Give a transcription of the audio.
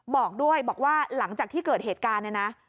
บอกด้วยบอกว่าหลังจากที่เกิดเหตุการณ์เนี่ยนะ